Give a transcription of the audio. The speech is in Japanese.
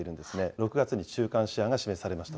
６月に中間試案が示されました。